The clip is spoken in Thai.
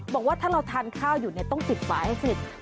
บอกว่าถ้าเราทานข้าวอยู่ต้องติดฝาให้เสร็จ